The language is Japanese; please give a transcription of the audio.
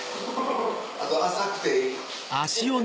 あと浅くていい。